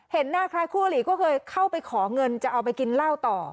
หน้าคล้ายคู่อลีก็เคยเข้าไปขอเงินจะเอาไปกินเหล้าต่อ